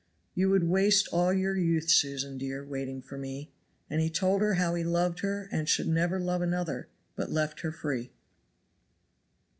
"You would waste all your youth, Susan, dear, waiting for me." And he told her how he loved her and never should love another; but left her free.